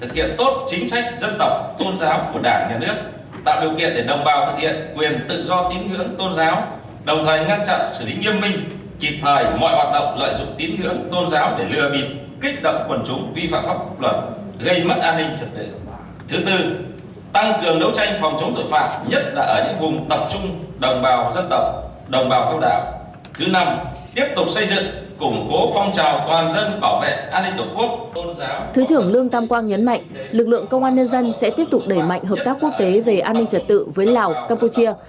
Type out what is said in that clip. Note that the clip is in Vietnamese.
thứ trưởng lương tam quang nhấn mạnh lực lượng công an dân dân sẽ tiếp tục đẩy mạnh hợp tác quốc tế về an ninh trật tự với lào campuchia